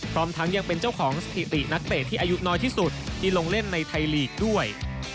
พร้อมทั้งยังเป็นเจ้าของสถิตินักเตะที่อายุน้อยที่สุดที่ลงเล่นในไทยลีกด้วย